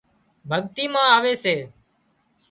ڀڳتي مان آوي سي